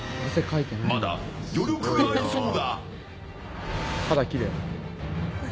まだ余力がありそうだ。